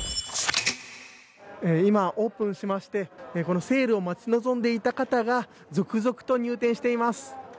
今、オープンしまして、このセールを待ち望んでいた方が続々と入店しています。